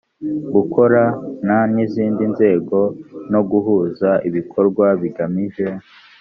gukorana n izindi nzego no guhuza ibikorwa bigamije